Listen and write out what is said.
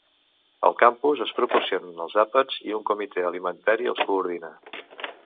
Al campus es proporcionen els àpats i un comitè alimentari els coordina.